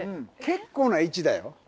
結構な位置だよ。